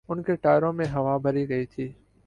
ان کے ٹائروں میں ہوا بھری گئی تھی۔